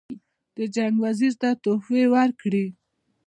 د جنګ وزیر ته تحفې ورکړي.